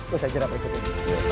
bersajaran berikut ini